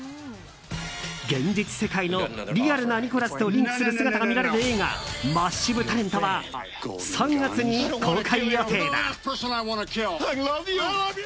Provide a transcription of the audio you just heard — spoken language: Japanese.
現実世界のリアルなニコラスとリンクする姿が見られる映画「マッシブ・タレント」は３月に公開予定だ。